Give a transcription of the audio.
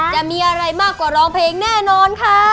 จะมีอะไรมากกว่าร้องเพลงแน่นอนค่ะ